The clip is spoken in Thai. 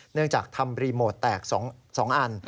เนื่องจากทำรีโมทแตก๒อัน